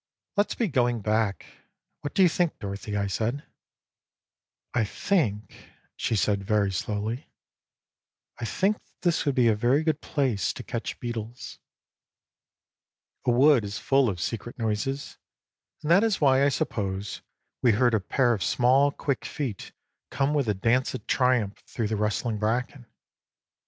" Let's be going back. What do you think, Dorothy ?" I said. 9 114 THE PASSING OF EDWARD " I think," she said slowly," I think that this would be a very good place to catch beetles." A wood is full of secret noises, and that is why, I suppose, we heard a pair of small quick feet come with a dance of triumph through the rustling bracken.